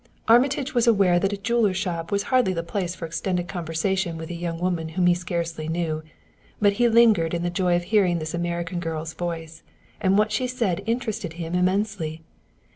Armitage was aware that a jeweler's shop was hardly the place for extended conversation with a young woman whom he scarcely knew, but he lingered in the joy of hearing this American girl's voice, and what she said interested him immensely.